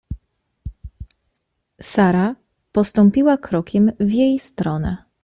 Sara postąpiła krokiem w jej stronę.